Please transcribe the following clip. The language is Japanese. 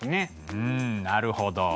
うんなるほど。